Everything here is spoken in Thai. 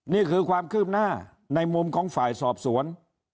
นี่คือความคืบหน้าในมุมของฝ่ายสอบสวน